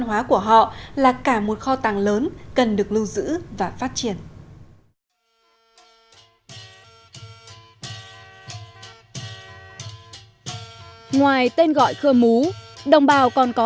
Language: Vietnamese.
hóa của họ là cả một kho tàng lớn cần được lưu giữ và phát triển ngoài tên gọi khơ mú còn có